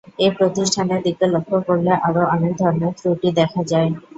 এ প্রতিষ্ঠানের দিকে লক্ষ করলে আরও অনেক ধরনের ত্রুটি দেখা যায়।